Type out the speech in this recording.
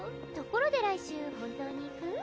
ところで来週本当に行く？